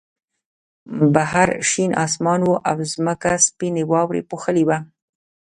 بهر شین آسمان و او ځمکه سپینې واورې پوښلې وه